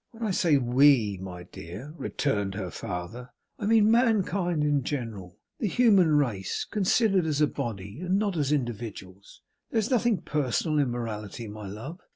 'When I say we, my dear,' returned her father, 'I mean mankind in general; the human race, considered as a body, and not as individuals. There is nothing personal in morality, my love.